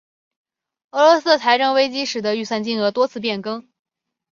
俄罗斯的财政危机使得预算金额多次变更。